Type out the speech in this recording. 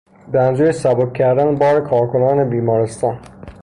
به منظور سبک کردن بار کارکنان بیمارستان